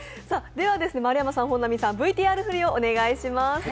丸山さん、本並さん、ＶＴＲ振りをお願いします。